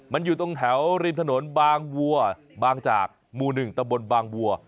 มันอยู่ตรงแถวริมถนนบางวัวบางจากหมู่๑ตะบนบางวัว